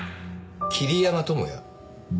桐山友哉？